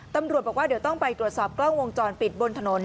ตำรวจบอกว่าเดี๋ยวต้องไปตรวจสอบกล้องวงจรปิดบนถนน